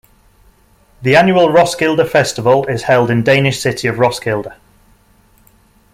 The annual Roskilde Festival is held in Danish city of Roskilde.